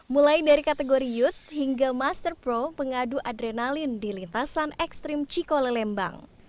mulai dari kategori youth hingga master pro pengadu adrenalin di lintasan ekstrim cikolelembang